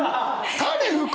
種吹く。